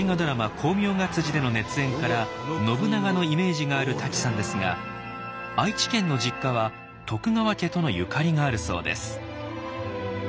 「功名が」での熱演から「信長」のイメージがある舘さんですが愛知県の実家は徳川家とのゆかりがあるそうです。